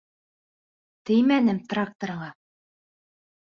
— Теймәнем тракторыңа.